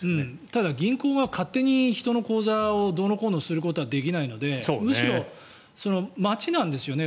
ただ銀行が勝手に人の口座をどうのこうのすることはできないのでむしろ、町なんですよね。